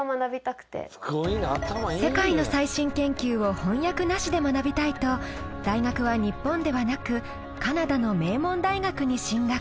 世界の最新研究を翻訳なしで学びたいと大学は日本ではなくカナダの名門大学に進学。